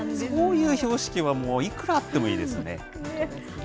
そういう標識はもう、いくらあってもいいですね。